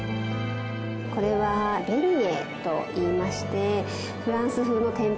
これはベニエといいましてフランス風の天ぷらのような。